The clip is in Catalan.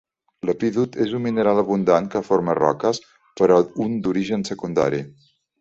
L'epídot és un mineral abundant que forma roques, però un d'origen secundari.